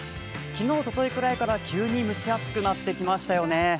昨日、おとといぐらいから急に蒸し暑くなってきましたよね。